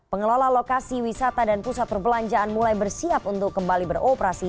pengelola lokasi wisata dan pusat perbelanjaan mulai bersiap untuk kembali beroperasi